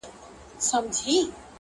دا کیسه موږ ته را پاته له پېړیو!.